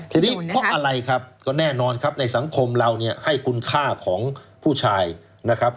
ทีนี้เพราะอะไรครับก็แน่นอนครับในสังคมเราเนี่ยให้คุณค่าของผู้ชายนะครับ